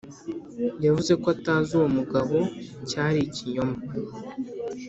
yavuze ko atazi uwo mugabo, cyari ikinyoma.